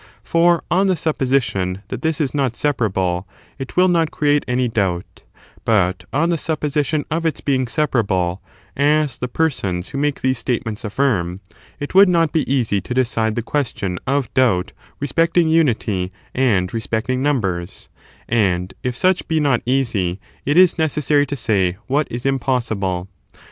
For, on the supposition that this is not separable, it will not create any doubt ; but, on the supposition of its being separ able, as the persons who make these statements affirm, it would not be easy to decide the question of doubt respecting unity and respecting numbers; and if such be not easy, it is necessary to • say what is impossible.